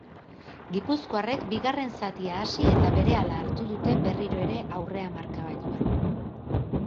Gipuzkoarrek bigarren zatia hasi eta berehala hartu dute berriro ere aurrea markagailuan.